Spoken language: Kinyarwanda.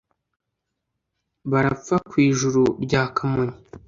Barapfa ku Ijuru rya Kamonyi